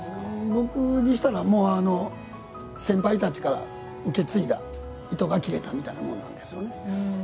僕にしたら先輩たちから受け継いだ糸が切れたみたいなものなんです。